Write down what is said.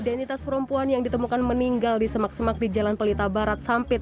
identitas perempuan yang ditemukan meninggal di semak semak di jalan pelita barat sampit